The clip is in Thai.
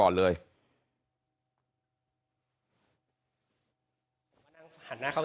นี่คุณตูนอายุ๓๗ปีนะครับ